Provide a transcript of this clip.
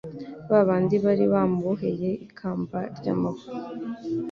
ba bandi bari bamuboheye ikamba ry'amahwa